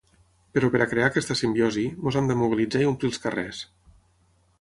Però per a crear aquesta simbiosi, ens hem de mobilitzar i omplir els carrers.